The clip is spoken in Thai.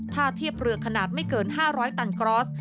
ถ้าเทียบเรือขนาดไม่เกิน๕๐๐ตันกรอส